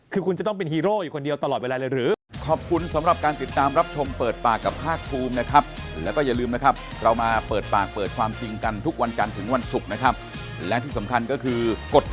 คือคุณจะต้องเป็นฮีโร่อยู่คนเดียวตลอดเวลาเลยหรือ